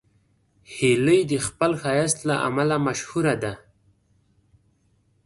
هیلۍ د خپل ښایست له امله مشهوره ده